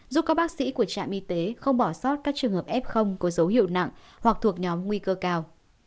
giúp các bác sĩ của trạm y tế không bỏ sót các trường hợp f có dấu hiệu nặng hoặc thuộc nhóm nguy cơ cao